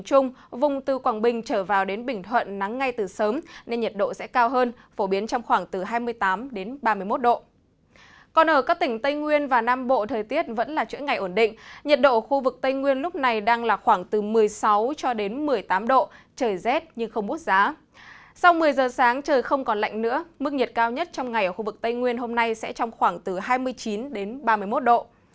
sau một mươi giờ sáng trời không còn lạnh nữa mức nhiệt cao nhất trong ngày ở khu vực tây nguyên hôm nay sẽ trong khoảng từ hai mươi chín đến ba mươi một độ